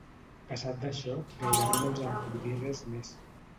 Passat d'això gairebé no els en puc dir res més.